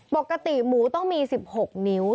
ปกติหมูต้องมี๑๖นิ้ว